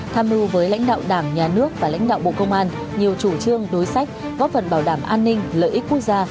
tham mưu với lãnh đạo đảng nhà nước và lãnh đạo bộ công an nhiều chủ trương đối sách góp phần bảo đảm an ninh lợi ích quốc gia